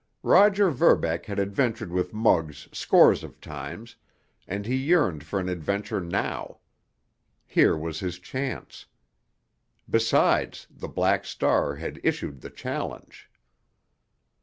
Roger Verbeck had adventured with Muggs scores of times, and he yearned for an adventure now. Here was his chance. Besides, the Black Star had issued the challenge.